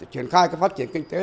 hiển khai các phát triển kinh tế